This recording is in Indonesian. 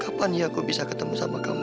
kapan ya aku bisa ketemu sama kamu lagi